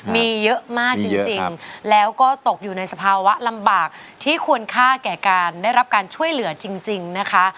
มีเยอะมากจริงแล้วก็ตกอยู่ในสภาวะลำบากที่ควรค่าแก่การได้รับการช่วยเหลือจริงนะคะ